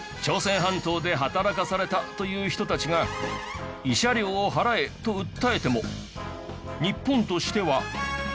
「朝鮮半島で働かされた」という人たちが「慰謝料を払え」と訴えても日本としては。